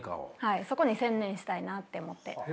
そこに専念したいなって思って。